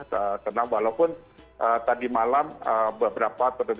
karena walaupun tadi malam beberapa